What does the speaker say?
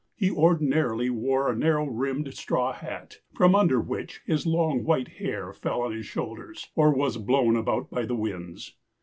He ordinarily wore a narrow rimmed straw hat, from under which his long white hair fell on his shoulders, or was blown about by the winds.